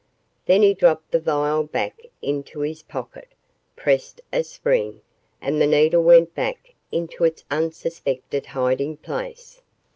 Then he dropped the vial back into his pocket, pressed a spring, and the needle went back into its unsuspected hiding place.